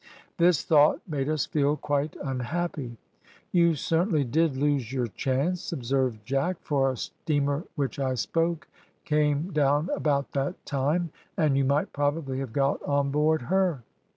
"This thought made us feel quite unhappy." "You certainly did lose your chance," observed Jack, "for a steamer which I spoke came down about that time, and you might probably have got on board her."